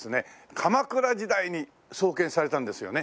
鎌倉時代に創建されたんですよね？